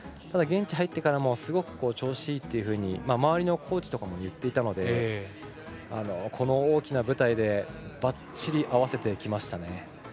現地入ってからもすごく調子いいって周りのコーチも言っていたのでこの大きな舞台でばっちり合わせてきましたね。